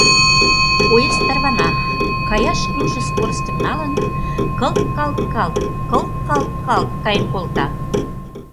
Поезд тарвана, каяш кӱлшӧ скоростьым налын, кылт-калт-калт, кылт-калт-калт каен колта.